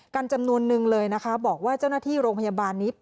จำนวนนึงเลยนะคะบอกว่าเจ้าหน้าที่โรงพยาบาลนี้